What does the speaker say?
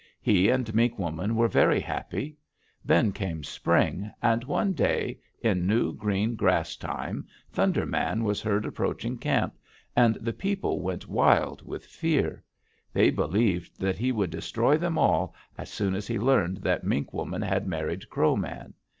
He and Mink Woman were very happy. Then came spring, and one day, in new green grass time, Thunder Man was heard approaching camp, and the people went wild with fear; they believed that he would destroy them all as soon as he learned that Mink Woman had married Crow Man.